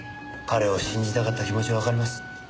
彼を信じたかった気持ちはわかります。